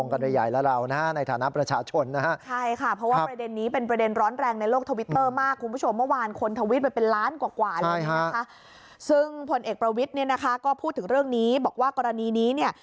ก็พูดถึงเรื่องนี้บอกว่ากรณีนี้